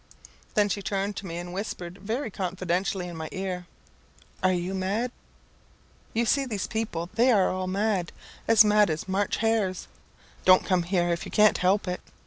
Then she turned to me, and whispered very confidentially in my ear, "Are you mad? You see these people; they are all mad as mad as March hares. Don't come here if you can help it.